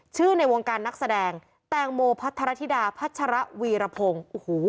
ชื่อในวงการนักแสดงแตงโมพัฒนธรรภิดาพัชระวีรพงศ์